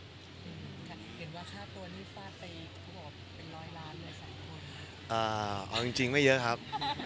เห็นว่าค่าตัวนี่ฟาดไปเขาบอกว่าเป็นร้อยล้านเลยสามคนอ่าเอาจริงจริงไม่เยอะครับ